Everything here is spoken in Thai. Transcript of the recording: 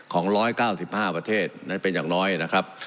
ของร้อยเก้าสิบห้าประเทศนั้นเป็นอย่างน้อยนะครับ